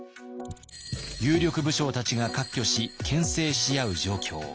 有力武将たちが割拠しけん制し合う状況。